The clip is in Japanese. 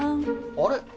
あれ？